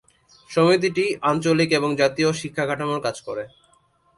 সমিতিটি আঞ্চলিক এবং জাতীয় শিক্ষা কাঠামোর কাজ করে।